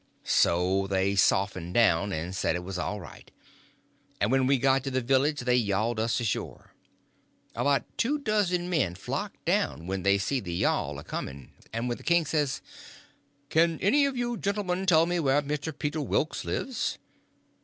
So they softened down and said it was all right; and when we got to the village they yawled us ashore. About two dozen men flocked down when they see the yawl a coming, and when the king says: "Kin any of you gentlemen tell me wher' Mr. Peter Wilks lives?"